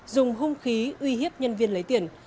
dùng hung khí uy hiếp nhân viên lấy tiền